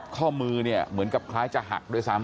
ข้อมือเนี่ยเหมือนกับคล้ายจะหักด้วยซ้ำ